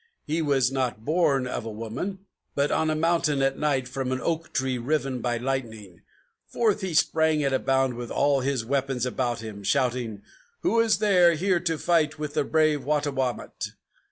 He was not born of a woman, But on a mountain at night, from an oak tree riven by lightning, Forth he sprang at a bound, with all his weapons about him, Shouting, 'Who is there here to fight with the brave Wattawamat?'"